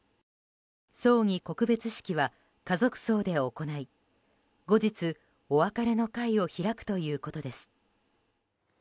葬儀・告別式は家族葬で行い後日、お別れの会を開くということです。